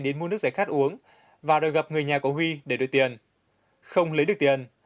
đến mua nước giải khát uống và đòi gặp người nhà của huy để đổi tiền không lấy được tiền